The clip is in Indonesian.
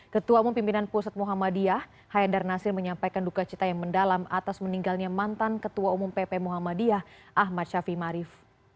ketua umum pimpinan pusat muhammadiyah haidar nasir menyampaikan duka cita yang mendalam atas meninggalnya mantan ketua umum pp muhammadiyah ahmad syafi marif